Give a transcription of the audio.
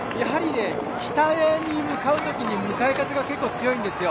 北に向かうときに向かい風が強いです。